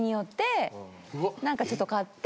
何かちょっと買って。